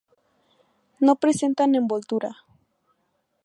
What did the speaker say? No presentan envoltura.